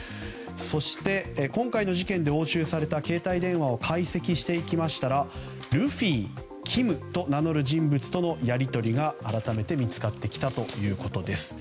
そして、今回の事件で押収された携帯電話を解析するとルフィ、キムと名乗る人物とのやり取りが改めて見つかってきたということです。